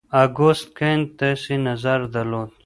اګوست کنت داسې نظر درلود.